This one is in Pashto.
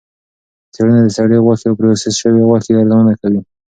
څېړنه د سرې غوښې او پروسس شوې غوښې ارزونه کوي.